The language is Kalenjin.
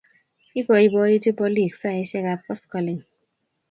Ipoipoiti polik saisyek ap koskoling'